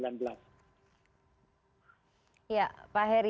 ya baik terima kasih pak heri